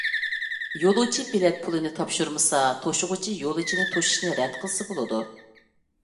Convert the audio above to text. يولۇچى بېلەت پۇلىنى تاپشۇرمىسا، توشۇغۇچى يولۇچىنى توشۇشنى رەت قىلسا بولىدۇ.